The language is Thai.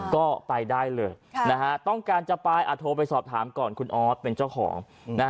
ก็ไปได้เลยต้องการจะไปโทรไปสอบถามก่อนคุณออสเป็นเจ้าของ